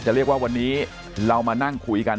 เรียกว่าวันนี้เรามานั่งคุยกัน